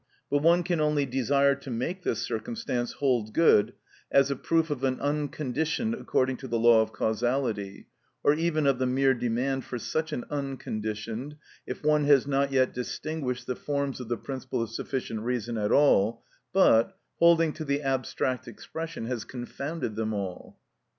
But one can only desire to make this circumstance hold good as a proof of an unconditioned according to the law of causality, or even of the mere demand for such an unconditioned, if one has not yet distinguished the forms of the principle of sufficient reason at all, but, holding to the abstract expression, has confounded them all.